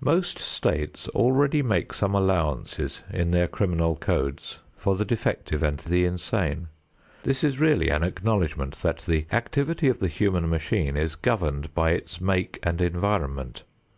Most states already make some allowances in their criminal codes for the defective and the insane. This is really an acknowledgment that the activity of the human machine is governed by its make and environment.